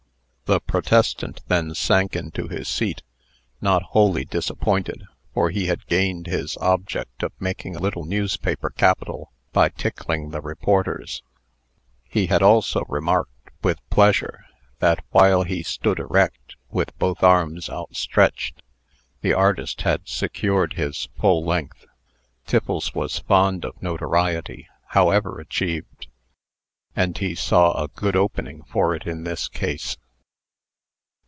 The protestant then sank into his seat, not wholly disappointed, for he had gained his object of making a little newspaper capital by tickling the reporters. He had also remarked, with pleasure, that, while he stood erect, with both arms outstretched, the artist had secured his full length. Tiffles was fond of notoriety, however achieved; and he saw a good opening for it in this case.